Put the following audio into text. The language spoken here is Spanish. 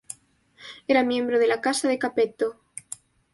Era miembro de la casa de Capeto.